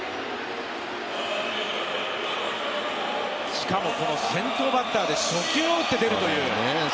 しかも先頭バッターで初球を打って出るという。